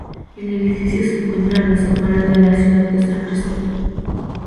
El edificio se encuentra a las afueras de la ciudad de San Cristóbal.